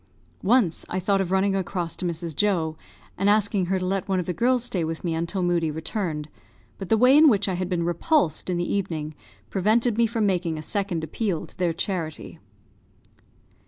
Once I thought of running across to Mrs. Joe, and asking her to let one of the girls stay with me until Moodie returned; but the way in which I had been repulsed in the evening prevented me from making a second appeal to their charity.